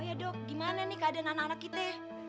ya dok gimana nih keadaan anak anak kita